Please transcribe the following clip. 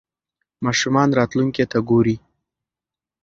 ماشومان راتلونکې ته ګوري.